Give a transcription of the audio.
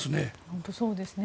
本当にそうですね。